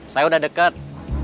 saya sudah dekat